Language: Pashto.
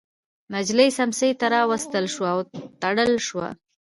نجلۍ سمڅې ته راوستل شوه او تړل شوه.